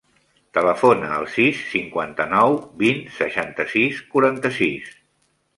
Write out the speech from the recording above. Telefona al sis, cinquanta-nou, vint, seixanta-sis, quaranta-sis.